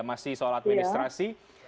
masih soal administrasi